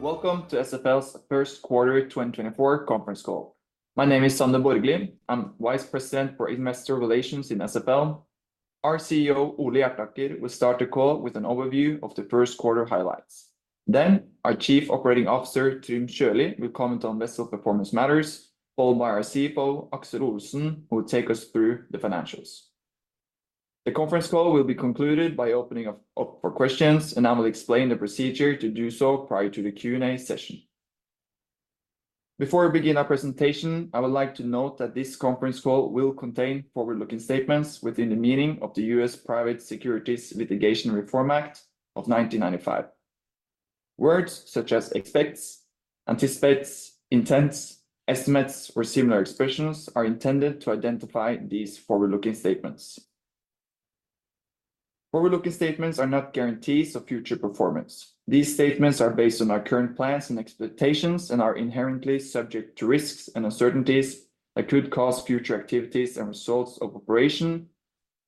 Welcome to SFL's first quarter 2024 conference call. My name is Sander Borgli. I'm Vice President for Investor Relations in SFL. Our CEO, Ole B. Hjertaker, will start the call with an overview of the first quarter highlights. Then our Chief Operating Officer, Trym Sjølie, will comment on vessel performance matters, followed by our CFO, Aksel C. Olesen, who will take us through the financials. The conference call will be concluded by opening up for questions, and I will explain the procedure to do so prior to the Q&A session. Before we begin our presentation, I would like to note that this conference call will contain forward-looking statements within the meaning of the U.S. Private Securities Litigation Reform Act of 1995. Words such as expects, anticipates, intends, estimates, or similar expressions are intended to identify these forward-looking statements. Forward-looking statements are not guarantees of future performance. These statements are based on our current plans and expectations and are inherently subject to risks and uncertainties that could cause future activities and results of operations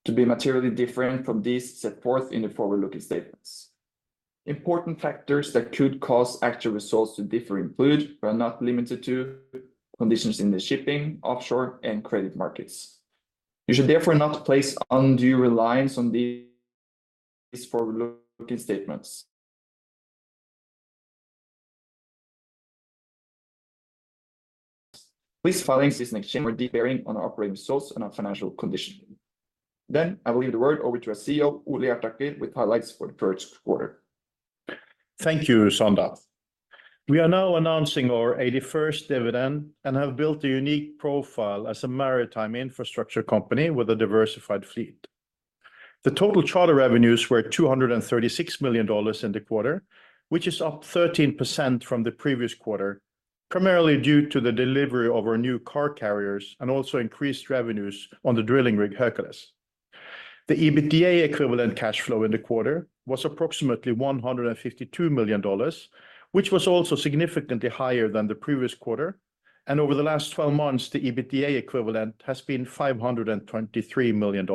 to be materially different from those set forth in the forward-looking statements. Important factors that could cause actual results to differ include, but are not limited to, conditions in the shipping, offshore, and credit markets. You should therefore not place undue reliance on these forward-looking statements. Please see our filings with this exchange for more details on our operating results and our financial condition. Then, I will now turn the call over to our CEO, Ole Hjertaker, with highlights for the first quarter. Thank you, Sander. We are now announcing our 81st dividend and have built a unique profile as a maritime infrastructure company with a diversified fleet. The total charter revenues were $236 million in the quarter, which is up 13% from the previous quarter, primarily due to the delivery of our new car carriers and also increased revenues on the drilling rig, Hercules. The EBITDA equivalent cash flow in the quarter was approximately $152 million, which was also significantly higher than the previous quarter, and over the last twelve months, the EBITDA equivalent has been $523 million.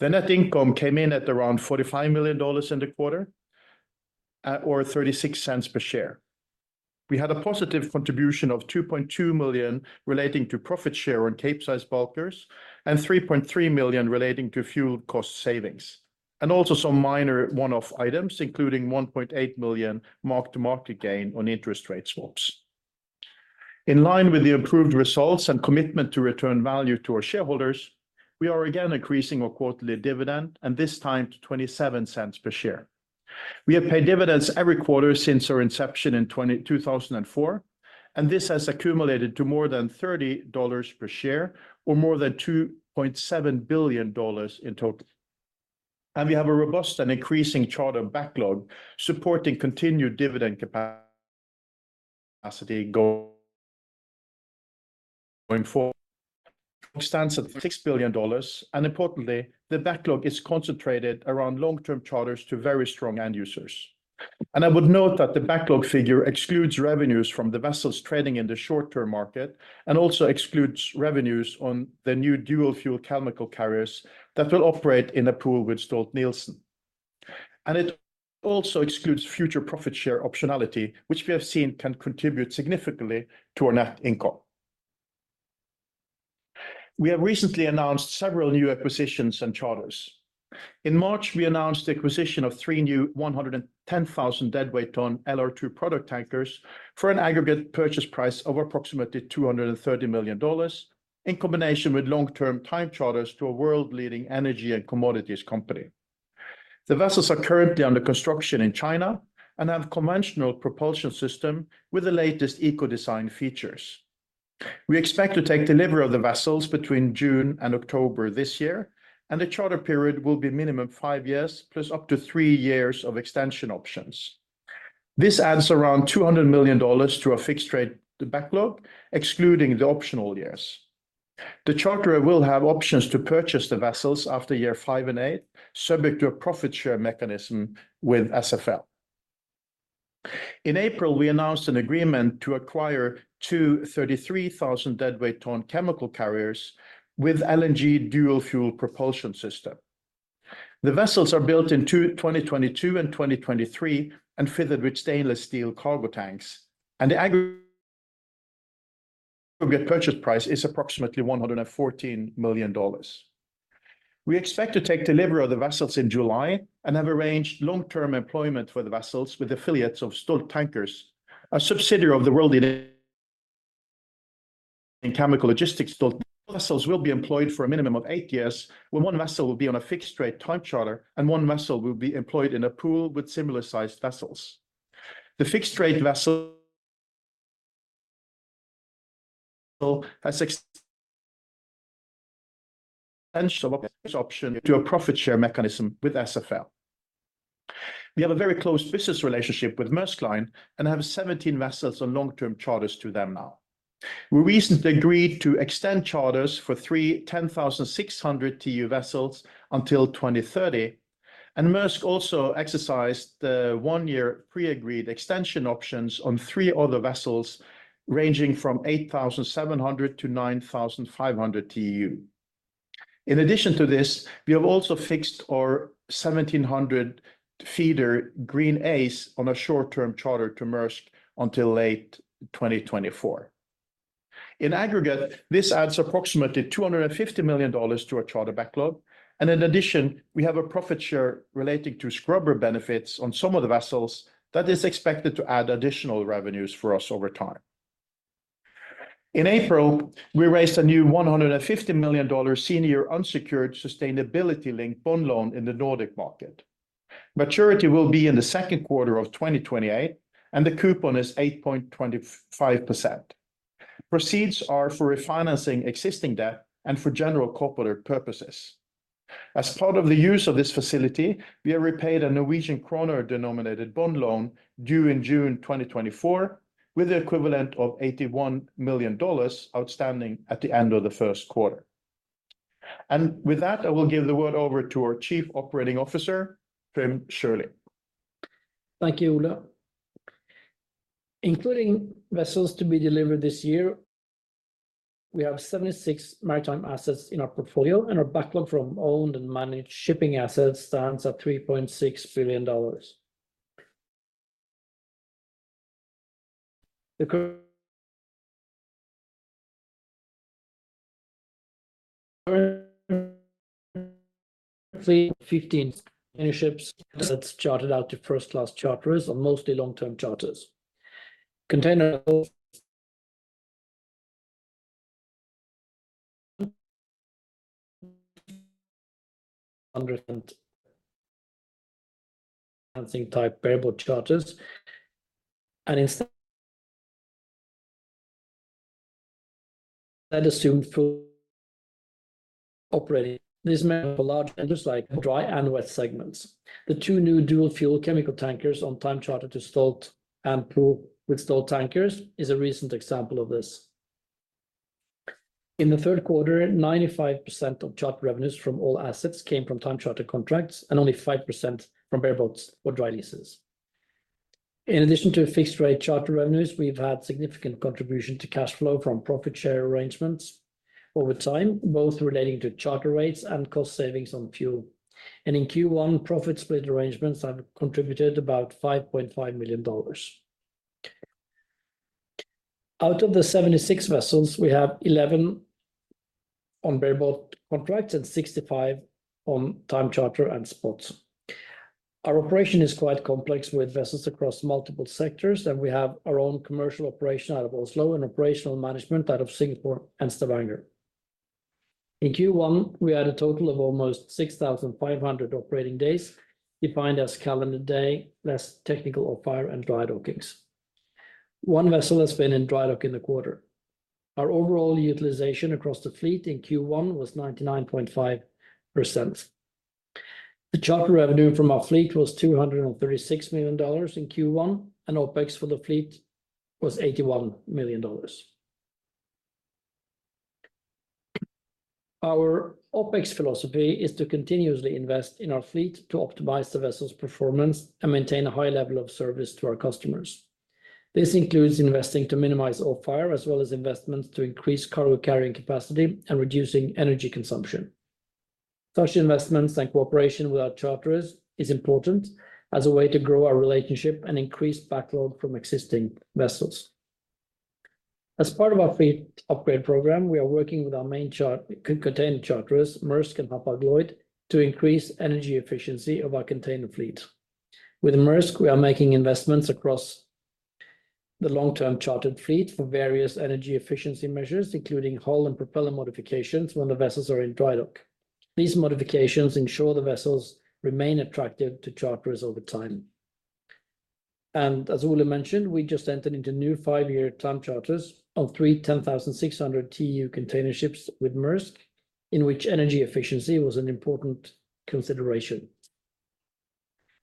The net income came in at around $45 million in the quarter, at or 36 cents per share. We had a positive contribution of $2.2 million relating to profit share on Capesize bulkers, and $3.3 million relating to fuel cost savings, and also some minor one-off items, including $1.8 million mark-to-market gain on interest rate swaps. In line with the improved results and commitment to return value to our shareholders, we are again increasing our quarterly dividend, and this time to $0.27 per share. We have paid dividends every quarter since our inception in 2004, and this has accumulated to more than $30 per share or more than $2.7 billion in total. We have a robust and increasing charter backlog, supporting continued dividend capacity. Going forward, [it] stands at $6 billion, and importantly, the backlog is concentrated around long-term charters to very strong end users. I would note that the backlog figure excludes revenues from the vessels trading in the short-term market and also excludes revenues on the new dual fuel chemical carriers that will operate in a pool with Stolt-Nielsen. It also excludes future profit share optionality, which we have seen can contribute significantly to our net income. We have recently announced several new acquisitions and charters. In March, we announced the acquisition of three new 110,000 deadweight ton LR2 product tankers for an aggregate purchase price of approximately $230 million, in combination with long-term time charters to a world-leading energy and commodities company. The vessels are currently under construction in China and have conventional propulsion system with the latest eco-design features. We expect to take delivery of the vessels between June and October this year, and the charter period will be minimum five years, plus up to three years of extension options. This adds around $200 million to our fixed rate, the backlog, excluding the optional years. The charterer will have options to purchase the vessels after year 5 and 8, subject to a profit share mechanism with SFL. In April, we announced an agreement to acquire 2 33,000 deadweight ton chemical carriers with LNG dual fuel propulsion system. The vessels are built in 2022 and 2023 and fitted with stainless steel cargo tanks, and the aggregate purchase price is approximately $114 million. We expect to take delivery of the vessels in July and have arranged long-term employment for the vessels with affiliates of Stolt Tankers, a subsidiary of the world leader in chemical logistics. Stolt vessels will be employed for a minimum of eight years, where one vessel will be on a fixed rate time charter, and one vessel will be employed in a pool with similar-sized vessels. The fixed rate vessel has extension option to a profit share mechanism with SFL. We have a very close business relationship with Maersk Line and have 17 vessels on long-term charters to them now. We recently agreed to extend charters for three 10,600 TEU vessels until 2030, and Maersk also exercised the 1-year pre-agreed extension options on three other vessels, ranging from 8,700-9,500 TEU.... In addition to this, we have also fixed our 1,700 feeder Green Ace on a short-term charter to Maersk until late 2024. In aggregate, this adds approximately $250 million to our charter backlog, and in addition, we have a profit share relating to scrubber benefits on some of the vessels that is expected to add additional revenues for us over time. In April, we raised a new $150 million senior unsecured sustainability-linked bond loan in the Nordic market. Maturity will be in the second quarter of 2028, and the coupon is 8.25%. Proceeds are for refinancing existing debt and for general corporate purposes. As part of the use of this facility, we have repaid a Norwegian kroner-denominated bond loan due in June 2024, with the equivalent of $81 million outstanding at the end of the first quarter. With that, I will give the word over to our Chief Operating Officer, Trym Sjølie. Thank you, Ole. Including vessels to be delivered this year, we have 76 maritime assets in our portfolio, and our backlog from owned and managed shipping assets stands at $3.6 billion. The current 315 new ships that's chartered out to first-class charterers are mostly long-term charters. Container under type variable charters and instead that assumed full operating. This meant for large and just like dry and wet segments. The two new dual-fuel chemical tankers on time charter to Stolt and Pool with Stolt Tankers is a recent example of this. In the third quarter, 95% of charter revenues from all assets came from time charter contracts and only 5% from bareboats or dry leases. In addition to fixed-rate charter revenues, we've had significant contribution to cash flow from profit share arrangements over time, both relating to charter rates and cost savings on fuel. In Q1, profit split arrangements have contributed about $5.5 million. Out of the 76 vessels, we have 11 on bareboat contracts and 65 on time charter and spots. Our operation is quite complex, with vessels across multiple sectors, and we have our own commercial operation out of Oslo, and operational management out of Singapore and Stavanger. In Q1, we had a total of almost 6,500 operating days, defined as calendar day, less technical off-hire, and dry dockings. One vessel has been in dry dock in the quarter. Our overall utilization across the fleet in Q1 was 99.5%. The charter revenue from our fleet was $236 million in Q1, and OpEx for the fleet was $81 million. Our OpEx philosophy is to continuously invest in our fleet to optimize the vessel's performance and maintain a high level of service to our customers. This includes investing to minimize off-hire, as well as investments to increase cargo carrying capacity and reducing energy consumption. Such investments and cooperation with our charterers is important as a way to grow our relationship and increase backlog from existing vessels. As part of our fleet upgrade program, we are working with our main container charterers, Maersk and Hapag-Lloyd, to increase energy efficiency of our container fleet. With Maersk, we are making investments across the long-term chartered fleet for various energy efficiency measures, including hull and propeller modifications when the vessels are in dry dock. These modifications ensure the vessels remain attractive to charterers over time. As Ole mentioned, we just entered into new five year time charters of 3 10,600 TEU container ships with Maersk, in which energy efficiency was an important consideration.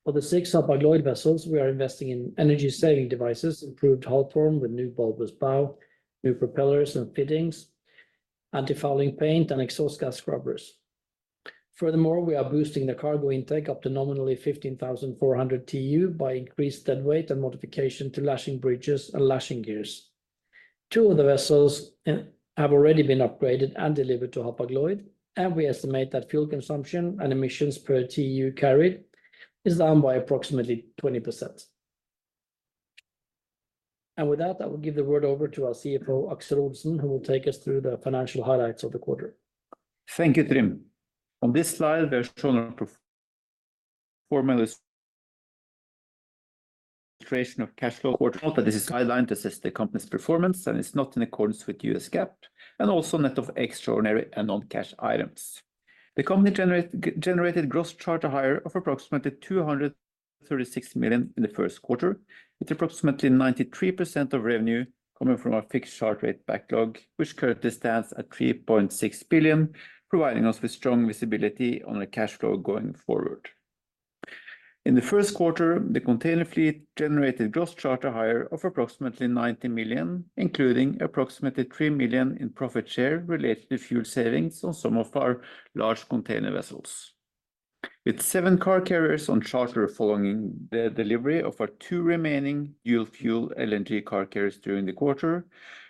For the six Hapag-Lloyd vessels, we are investing in energy-saving devices, improved hull form with new bulbous bow, new propellers and fittings, antifouling paint, and exhaust gas scrubbers. Furthermore, we are boosting the cargo intake up to nominally 15,400 TEU by increased deadweight and modification to lashing bridges and lashing gears. Two of the vessels have already been upgraded and delivered to Hapag-Lloyd, and we estimate that fuel consumption and emissions per TEU carried is down by approximately 20%. With that, I will give the word over to our CFO, Aksel Olesen, who will take us through the financial highlights of the quarter. Thank you, Trym. On this slide, there are shown pro forma illustration of cash flow quarterly. This is guideline to assist the company's performance, and it's not in accordance with U.S. GAAP and also net of extraordinary and non-cash items. The company generated gross charter hire of approximately $236 million in the first quarter, with approximately 93% of revenue coming from our fixed charter rate backlog, which currently stands at $3.6 billion, providing us with strong visibility on our cash flow going forward. In the first quarter, the container fleet generated gross charter hire of approximately $90 million, including approximately $3 million in profit share related to fuel savings on some of our large container vessels.... With seven car carriers on charter following the delivery of our two remaining dual fuel LNG car carriers during the quarter,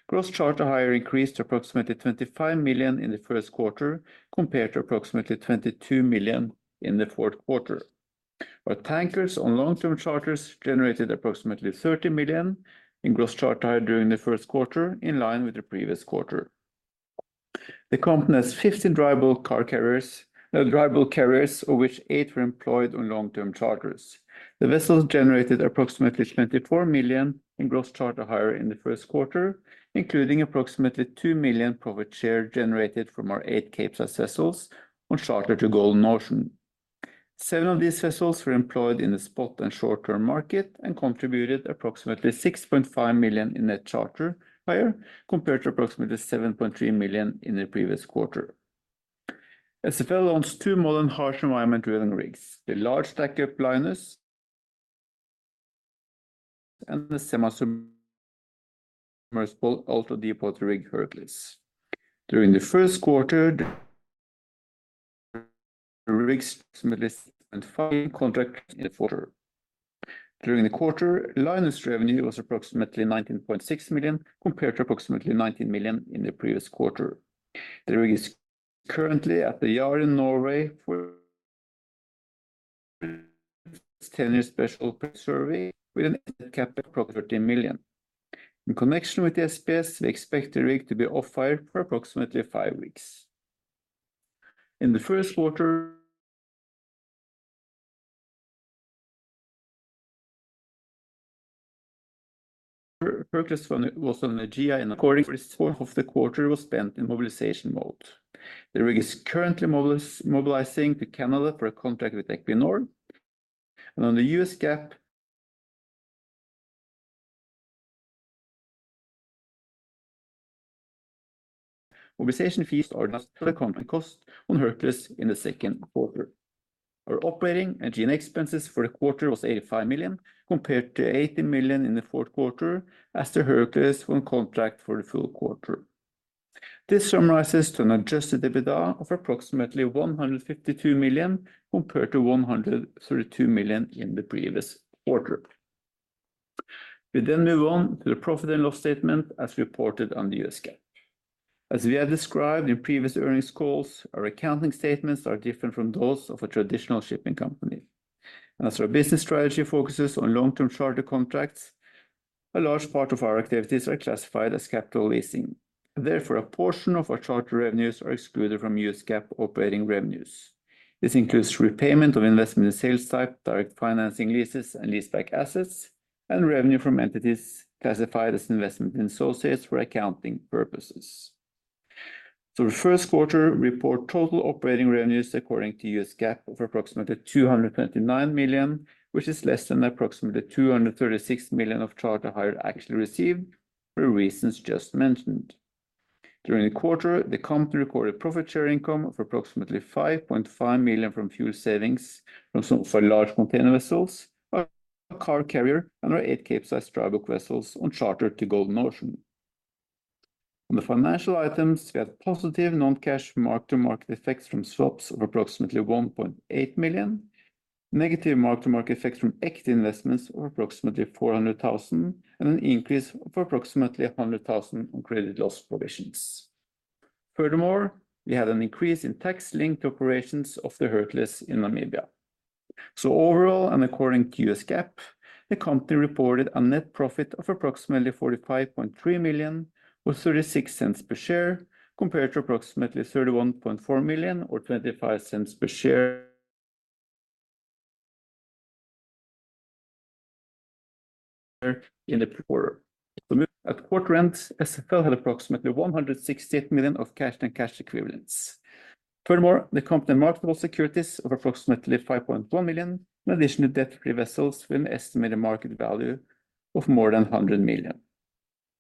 gross charter hire increased to approximately $25 million in the first quarter, compared to approximately $22 million in the fourth quarter. Our tankers on long-term charters generated approximately $30 million in gross charter hire during the first quarter, in line with the previous quarter. The company has 15 dry bulk car carriers, dry bulk carriers, of which eight were employed on long-term charters. The vessels generated approximately $24 million in gross charter hire in the first quarter, including approximately $2 million profit share generated from our eight Capesize vessels on charter to Golden Ocean. Seven of these vessels were employed in the spot and short-term market and contributed approximately $6.5 million in net charter hire, compared to approximately $7.3 million in the previous quarter. SFL owns two modern harsh environment drilling rigs: the large jackup, Linus, and the semi-submersible ultra deepwater rig, Hercules. During the first quarter, the rigs similarly and final contract in the quarter. During the quarter, Linus' revenue was approximately $19.6 million, compared to approximately $19 million in the previous quarter. The rig is currently at the yard in Norway for ten-year special survey with a net CapEx approximately $13 million. In connection with the SPS, we expect the rig to be off-hire for approximately five weeks. In the first quarter, Hercules was on Namibia, and according to this, half of the quarter was spent in mobilization mode. The rig is currently mobilizing to Canada for a contract with Equinor, and on the U.S. GAAP. Mobilization fees are just the content cost on Hercules in the second quarter. Our operating and G&A expenses for the quarter was $85 million, compared to $80 million in the fourth quarter, as the Hercules went on contract for the full quarter. This summarizes to an adjusted EBITDA of approximately $152 million, compared to $132 million in the previous quarter. We then move on to the profit and loss statement as reported on the U.S. GAAP. As we had described in previous earnings calls, our accounting statements are different from those of a traditional shipping company. As our business strategy focuses on long-term charter contracts, a large part of our activities are classified as capital leasing. Therefore, a portion of our charter revenues are excluded from U.S. GAAP operating revenues. This includes repayment of investment in sales type, direct financing leases and leaseback assets, and revenue from entities classified as investment in associates for accounting purposes. The first quarter report total operating revenues according to US GAAP of approximately $229 million, which is less than approximately $236 million of charter hire actually received for reasons just mentioned. During the quarter, the company recorded profit share income of approximately $5.5 million from fuel savings from some 4 large container vessels, a car carrier, and our 8 Capesize dry bulk vessels on charter to Golden Ocean. On the financial items, we had positive non-cash mark-to-market effects from swaps of approximately $1.8 million, negative mark-to-market effects from equity investments of approximately $400,000, and an increase of approximately $100,000 on credit loss provisions. Furthermore, we had an increase in tax linked to operations of the Hercules in Namibia. So overall, and according to US GAAP, the company reported a net profit of approximately $45.3 million, or $0.36 per share, compared to approximately $31.4 million, or $0.25 per share in the quarter. At quarter end, SFL had approximately $168 million of cash and cash equivalents. Furthermore, the company marketable securities of approximately $5.1 million, in addition to debt-free vessels with an estimated market value of more than $100 million.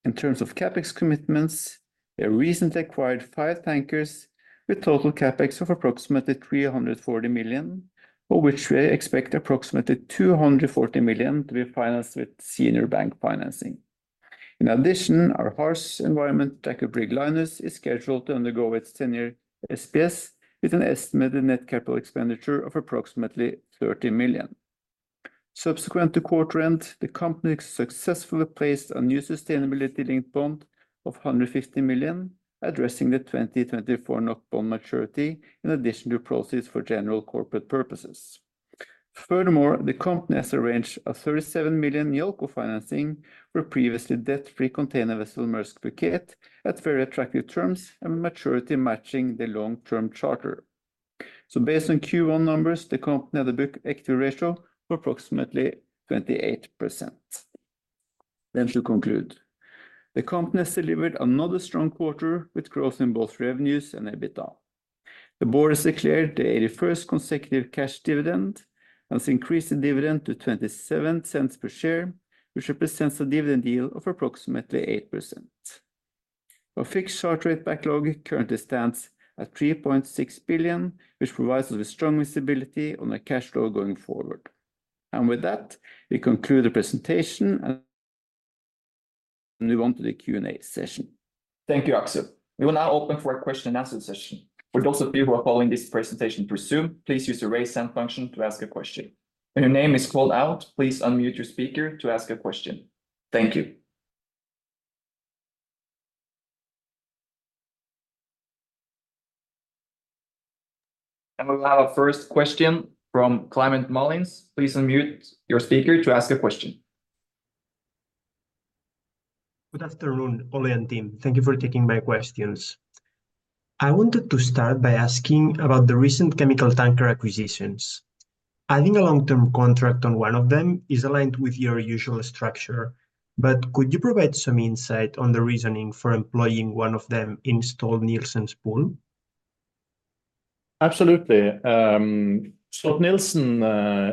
In terms of CapEx commitments, we recently acquired five tankers with total CapEx of approximately $340 million, for which we expect approximately $240 million to be financed with senior bank financing. In addition, our harsh environment jack-up rig, Linus, is scheduled to undergo its ten-year SPS, with an estimated net capital expenditure of approximately $30 million. Subsequent to quarter end, the company successfully placed a new sustainability-linked bond of $150 million, addressing the 2024 NOK bond maturity, in addition to proceeds for general corporate purposes. Furthermore, the company has arranged a 37 million NOK financing for previously debt-free container vessel Maersk Bogor at very attractive terms and maturity matching the long-term charter. So based on Q1 numbers, the company had a book equity ratio of approximately 28%. Then to conclude, the company has delivered another strong quarter with growth in both revenues and EBITDA. The board has declared the 81st consecutive cash dividend and has increased the dividend to $0.27 per share, which represents a dividend yield of approximately 8%. Our fixed charter rate backlog currently stands at $3.6 billion, which provides us with strong visibility on the cash flow going forward. With that, we conclude the presentation and-... and move on to the Q&A session. Thank you, Aksel. We will now open for a question and answer session. For those of you who are following this presentation through Zoom, please use the Raise Hand function to ask a question. When your name is called out, please unmute your speaker to ask a question. Thank you. And we'll have our first question from Climent Molins. Please unmute your speaker to ask a question. Good afternoon, Ole and team. Thank you for taking my questions. I wanted to start by asking about the recent chemical tanker acquisitions. Adding a long-term contract on one of them is aligned with your usual structure, but could you provide some insight on the reasoning for employing one of them in Stolt-Nielsen's pool? Absolutely. Stolt-Nielsen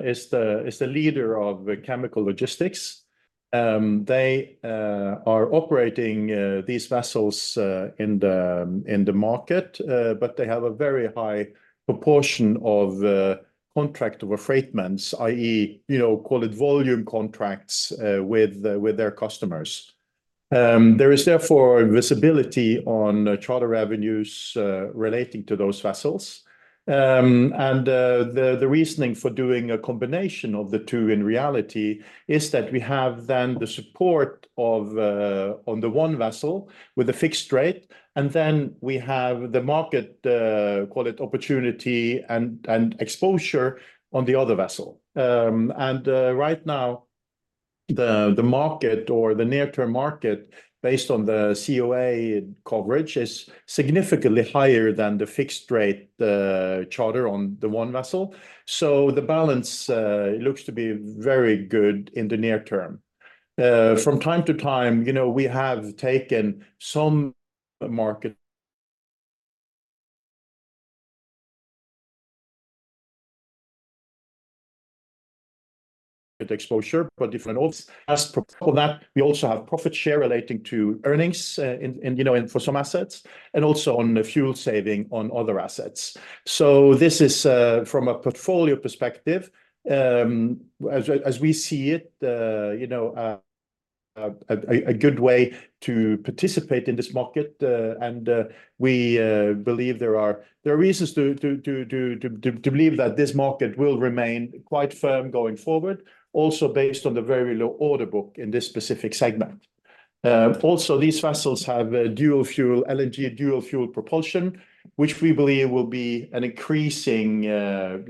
is the leader of the chemical logistics. They are operating these vessels in the market, but they have a very high proportion of contracts of affreightment, i.e., you know, call it volume contracts, with their customers. There is therefore visibility on charter revenues relating to those vessels. And the reasoning for doing a combination of the two in reality is that we have then the support on the one vessel with a fixed rate, and then we have the market call it opportunity and exposure on the other vessel. And right now, the market or the near-term market, based on the COA coverage, is significantly higher than the fixed rate charter on the one vessel. So the balance looks to be very good in the near term. From time to time, you know, we have taken some market exposure, but different as for that, we also have profit share relating to earnings in you know for some assets, and also on the fuel saving on other assets. So this is from a portfolio perspective, as we see it, you know a good way to participate in this market. And we believe there are... There are reasons to believe that this market will remain quite firm going forward, also based on the very low order book in this specific segment. Also, these vessels have a dual fuel, LNG dual fuel propulsion, which we believe will, you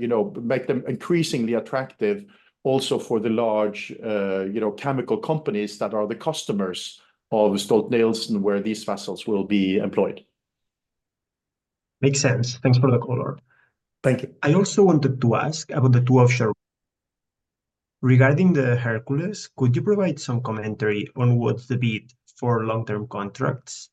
know, make them increasingly attractive also for the large, you know, chemical companies that are the customers of Stolt-Nielsen, where these vessels will be employed. Makes sense. Thanks for the call. Thank you. I also wanted to ask about the two offshore. Regarding the Hercules, could you provide some commentary on what's the bid for long-term contracts?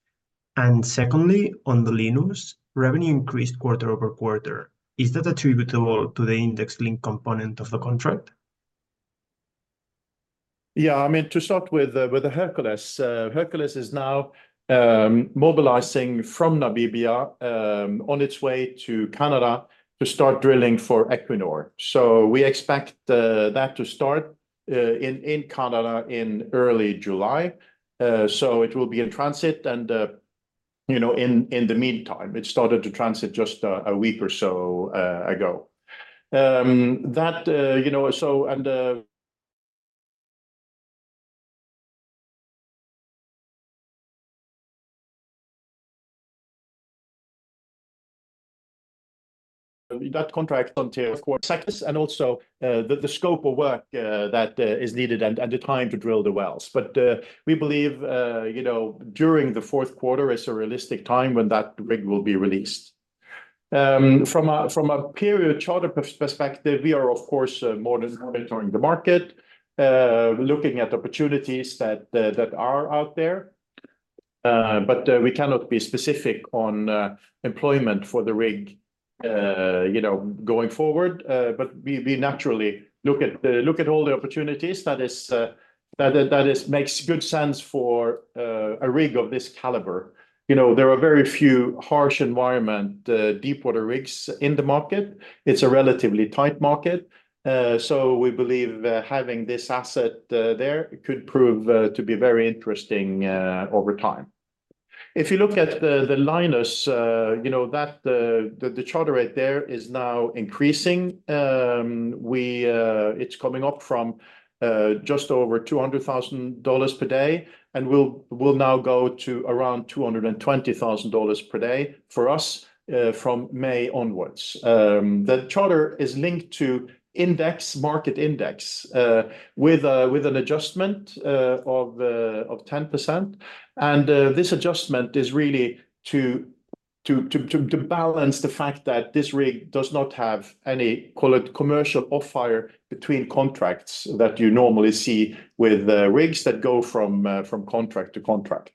And secondly, on the Linus, revenue increased quarter-over-quarter. Is that attributable to the index link component of the contract? Yeah, I mean, to start with, with the Hercules, Hercules is now mobilizing from Namibia, on its way to Canada to start drilling for Equinor. So we expect that to start in Canada in early July. So it will be in transit and, you know, in the meantime, it started to transit just a week or so ago. That, you know, so, and that contract on the fourth quarter, and also the scope of work that is needed and the time to drill the wells. But we believe, you know, during the fourth quarter is a realistic time when that rig will be released. From a period charter perspective, we are, of course, monitoring the market, looking at opportunities that are out there. But we cannot be specific on employment for the rig, you know, going forward. But we naturally look at all the opportunities that makes good sense for a rig of this caliber. You know, there are very few harsh environment deepwater rigs in the market. It's a relatively tight market. So we believe having this asset there could prove to be very interesting over time. If you look at the Linus, you know, that the charter rate there is now increasing. It's coming up from just over $200,000 per day, and will now go to around $220,000 per day for us, from May onwards. The charter is linked to a market index with an adjustment of 10%. This adjustment is really to balance the fact that this rig does not have any, call it, commercial off-hire between contracts that you normally see with rigs that go from contract to contract.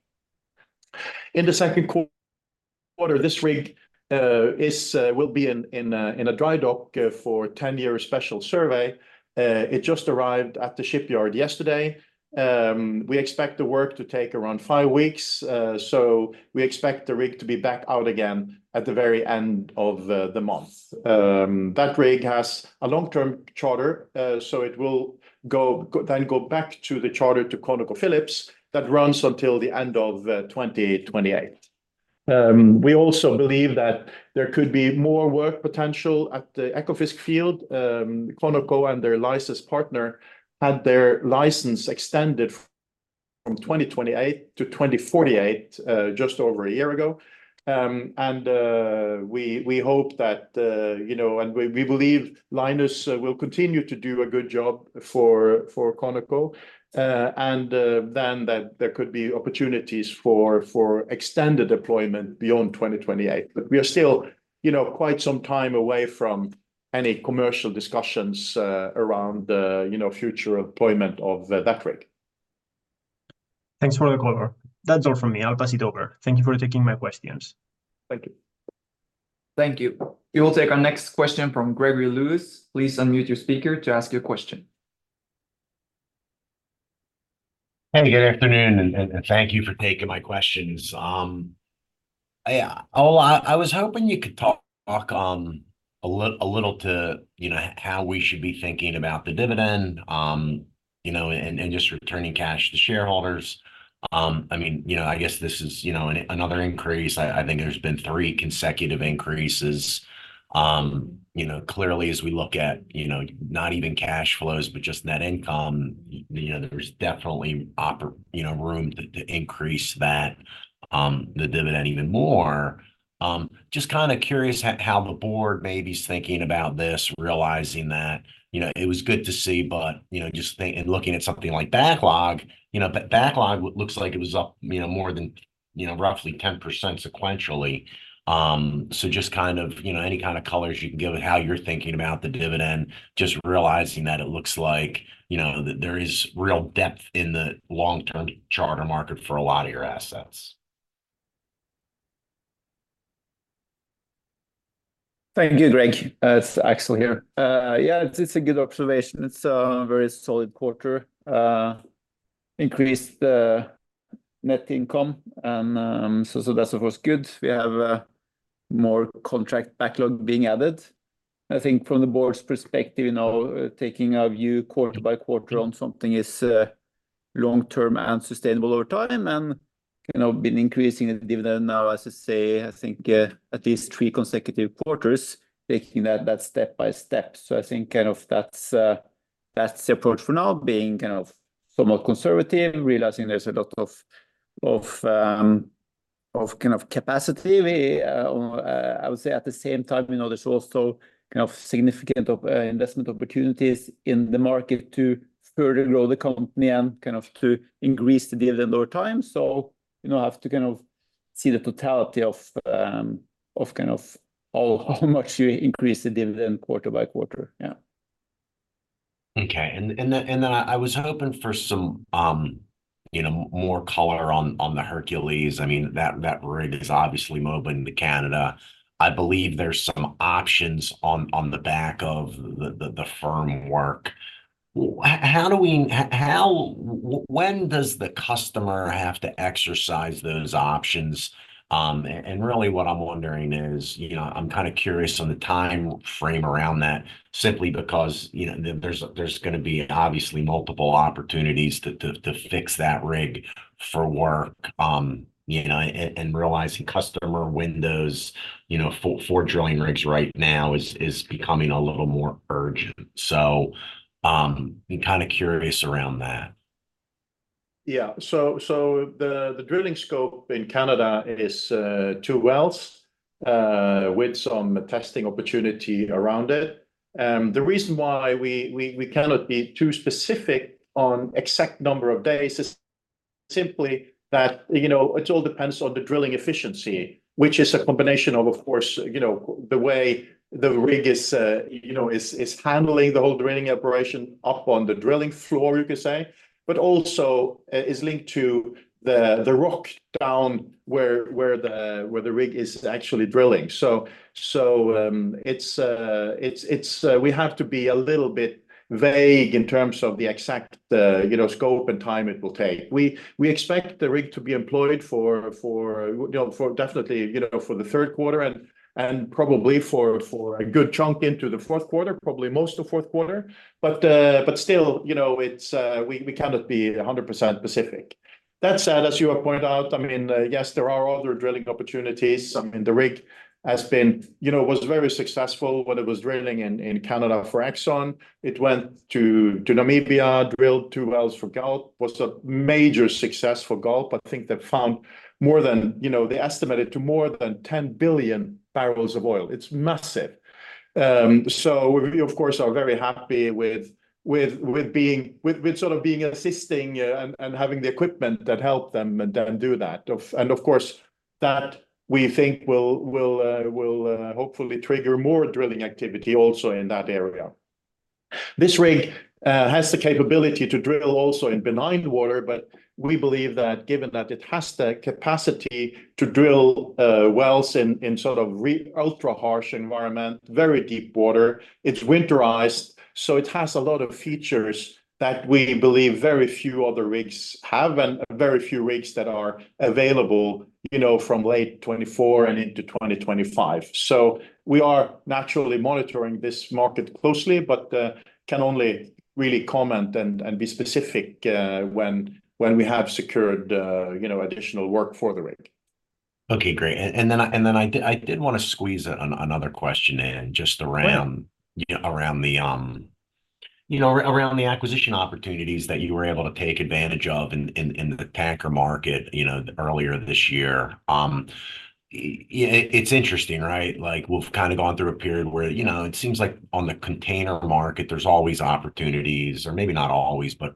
In the second quarter, this rig will be in a dry dock for a 10-year special survey. It just arrived at the shipyard yesterday. We expect the work to take around five weeks, so we expect the rig to be back out again at the very end of the month. That rig has a long-term charter, so it will go, then go back to the charter to ConocoPhillips, that runs until the end of 2028. We also believe that there could be more work potential at the Ekofisk field. Conoco and their license partner had their license extended from 2028 to 2048 just over a year ago. And we hope that, you know, and we believe Linus will continue to do a good job for Conoco. And then that there could be opportunities for extended deployment beyond 2028. But we are still, you know, quite some time away from any commercial discussions around the, you know, future deployment of that rig. Thanks for the call. That's all from me. I'll pass it over. Thank you for taking my questions. Thank you. Thank you. We will take our next question from Gregory Lewis. Please unmute your speaker to ask your question. Hey, good afternoon, and thank you for taking my questions. Yeah, Ole, I was hoping you could talk a little to, you know, how we should be thinking about the dividend, you know, and just returning cash to shareholders. I mean, you know, I guess this is another increase. I think there's been three consecutive increases. You know, clearly as we look at, you know, not even cash flows, but just net income, you know, there's definitely opportunity. You know, room to increase that, the dividend even more. Just kind of curious at how the board maybe is thinking about this, realizing that, you know, it was good to see, but, you know, just looking at something like backlog, you know, the backlog looks like it was up, you know, more than, you know, roughly 10% sequentially. So just kind of, you know, any kind of colors you can give it, how you're thinking about the dividend, just realizing that it looks like, you know, that there is real depth in the long-term charter market for a lot of your assets. Thank you, Greg. It's Aksel here. Yeah, it's a good observation. It's a very solid quarter, increased net income, and so that, of course, good. We have more contract backlog being added. I think from the board's perspective, you know, taking a view quarter by quarter on something is long-term and sustainable over time, and, you know, been increasing the dividend now, as I say, I think at least three consecutive quarters, taking that step by step. So I think kind of that's the approach for now, being kind of somewhat conservative, realizing there's a lot of kind of capacity. We... I would say at the same time, you know, there's also kind of significant investment opportunities in the market to further grow the company and kind of to increase the dividend over time. So, you know, have to kind of see the totality of, of kind of how, how much you increase the dividend quarter by quarter. Okay. And then I was hoping for some, you know, more color on the Hercules. I mean, that rig is obviously moving to Canada. I believe there's some options on the back of the firm work. How, when does the customer have to exercise those options? And really what I'm wondering is, you know, I'm kind of curious on the timeframe around that, simply because, you know, there's gonna be obviously multiple opportunities to fix that rig for work. You know, and realizing customer windows, you know, for drilling rigs right now is becoming a little more urgent. So, I'm kind of curious around that. Yeah. So, the drilling scope in Canada is two wells with some testing opportunity around it. The reason why we cannot be too specific on exact number of days is simply that, you know, it all depends on the drilling efficiency, which is a combination of, of course, you know, the way the rig is handling the whole drilling operation up on the drilling floor, you could say, but also is linked to the rock down where the rig is actually drilling. So, it's we have to be a little bit vague in terms of the exact, you know, scope and time it will take. We expect the rig to be employed for definitely, you know, for the third quarter and probably for a good chunk into the fourth quarter, probably most of fourth quarter. But still, you know, it's we cannot be 100% specific. That said, as you have pointed out, I mean, yes, there are other drilling opportunities. And the rig has been... You know, was very successful when it was drilling in Canada for Exxon. It went to Namibia, drilled 2 wells for Galp, was a major success for Galp. I think they found more than, you know, they estimated to more than 10 billion barrels of oil. It's massive. So we of course are very happy with sort of being assisting and having the equipment that helped them do that. And of course, that we think will hopefully trigger more drilling activity also in that area. This rig has the capability to drill also in benign water, but we believe that given that it has the capacity to drill wells in sort of ultra-harsh environment, very deep water, it's winterized, so it has a lot of features that we believe very few other rigs have, and very few rigs that are available, you know, from late 2024 and into 2025. So we are naturally monitoring this market closely, but can only really comment and be specific when we have secured you know additional work for the rig.... Okay, great. And then I did wanna squeeze another question in just around- Well... you know, around the acquisition opportunities that you were able to take advantage of in the tanker market, you know, earlier this year. It's interesting, right? Like, we've kind of gone through a period where, you know, it seems like on the container market, there's always opportunities, or maybe not always, but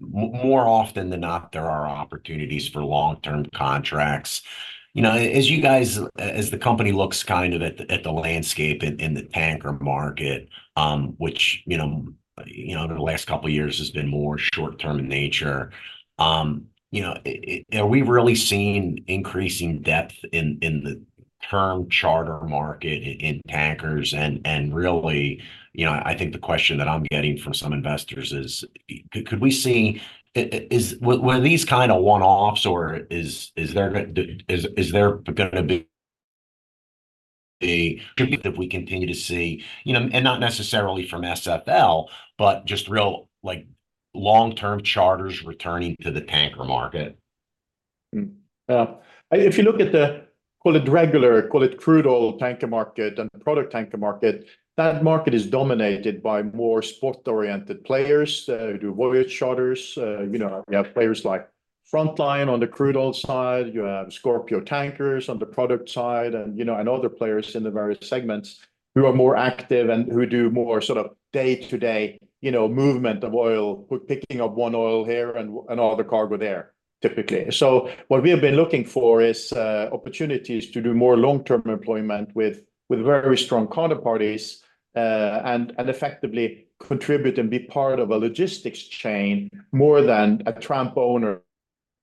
more often than not, there are opportunities for long-term contracts. You know, as you guys, as the company looks kind of at the landscape in the tanker market, which, you know, in the last couple of years has been more short-term in nature. You know, are we really seeing increasing depth in the term charter market in tankers? And really, you know, I think the question that I'm getting from some investors is, could we see? Were these kind of one-offs or is there gonna be that we continue to see? You know, and not necessarily from SFL, but just real, like, long-term charters returning to the tanker market. If you look at the, call it regular, call it crude oil tanker market and product tanker market, that market is dominated by more spot-oriented players, who do voyage charters. You know, we have players like Frontline on the crude oil side, you have Scorpio Tankers on the product side, and, you know, and other players in the various segments who are more active and who do more sort of day-to-day, you know, movement of oil. We're picking up one oil here and, and other cargo there, typically. So what we have been looking for is, opportunities to do more long-term employment with, with very strong counterparties, and, and effectively contribute and be part of a logistics chain more than a tramp owner,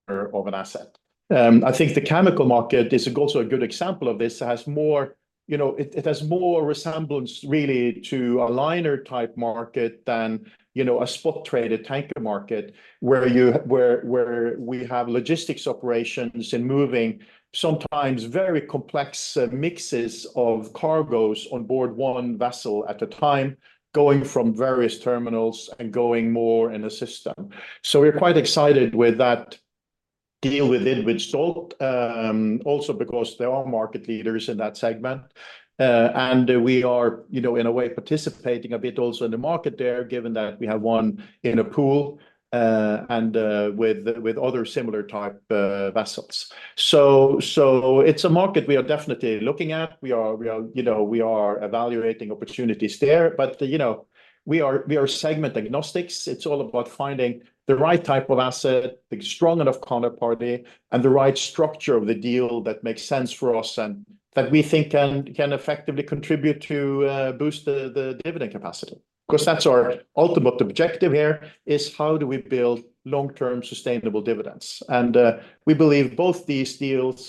of an asset. I think the chemical market is also a good example of this. It has more, you know, it has more resemblance really to a liner-type market than, you know, a spot traded tanker market, where we have logistics operations and moving sometimes very complex mixes of cargoes on board one vessel at a time, going from various terminals and going more in a system. So we're quite excited with that deal with Stolt, also because they are market leaders in that segment. And we are, you know, in a way, participating a bit also in the market there, given that we have one in a pool, and with other similar type vessels. So it's a market we are definitely looking at. We are, you know, evaluating opportunities there, but, you know, we are segment agnostics. It's all about finding the right type of asset, a strong enough counterparty, and the right structure of the deal that makes sense for us and that we think can effectively contribute to boost the dividend capacity. 'Cause that's our ultimate objective here, is how do we build long-term sustainable dividends? And we believe both these deals,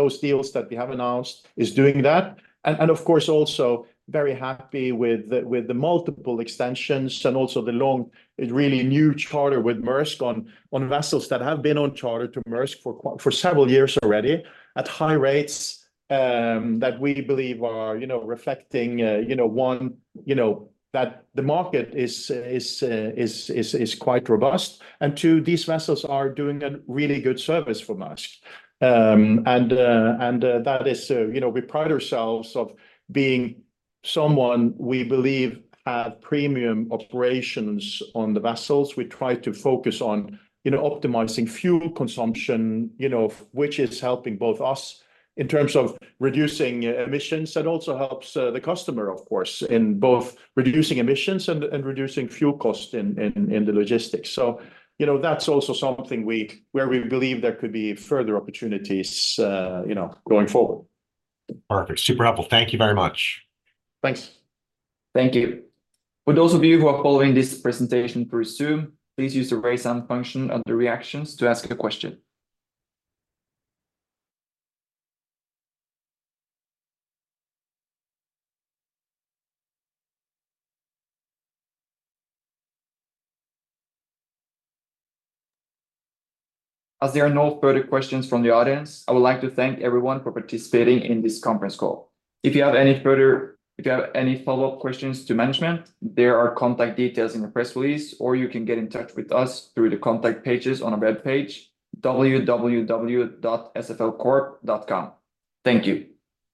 those deals that we have announced, is doing that. And of course, also very happy with the multiple extensions and also the long, really new charter with Maersk on vessels that have been on charter to Maersk for several years already, at high rates, that we believe are, you know, reflecting, you know, one, you know, that the market is quite robust. And two, these vessels are doing a really good service for Maersk. You know, we pride ourselves of being someone we believe have premium operations on the vessels. We try to focus on, you know, optimizing fuel consumption, you know, which is helping both us in terms of reducing emissions, and also helps the customer, of course, in both reducing emissions and reducing fuel cost in the logistics. So, you know, that's also something where we believe there could be further opportunities, you know, going forward. Perfect. Super helpful. Thank you very much. Thanks. Thank you. For those of you who are following this presentation through Zoom, please use the Raise Hand function under Reactions to ask a question. As there are no further questions from the audience, I would like to thank everyone for participating in this conference call. If you have any follow-up questions to management, there are contact details in the press release, or you can get in touch with us through the contact pages on our web page, www.sflcorp.com. Thank you.